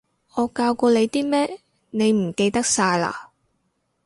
我教過你啲咩，你唔記得晒嘞？